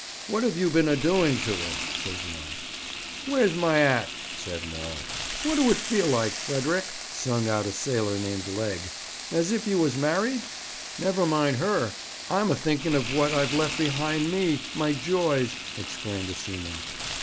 'What have you been a doing to her?' says one. 'Where's my 'at?' said Maul. 'What do it feel like, Frederick?' sung out a sailor named Legg. 'As if you was married?' 'Never mind her. I'm a thinking of what I've left behind me, my joys,' exclaimed a seaman.